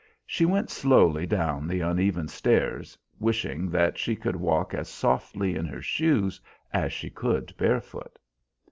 She went slowly down the uneven stairs, wishing that she could walk as softly in her shoes as she could barefoot.